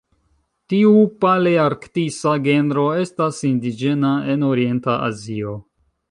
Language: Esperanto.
Tiu palearktisa genro estas indiĝena en orienta Azio.